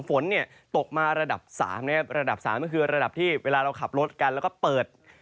ฝนเนี่ยตกมาระดับ๓นะครับระดับสามก็คือระดับที่เวลาเราขับรถกันแล้วก็เปิด